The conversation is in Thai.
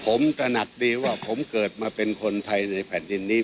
ผมตระหนักดีว่าผมเกิดมาเป็นคนไทยในแผ่นดินนี้